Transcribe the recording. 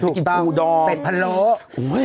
ไปกินผูดอลเป็นพันล้ง